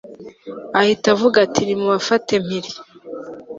ahita avuga ati nimubafate mpiri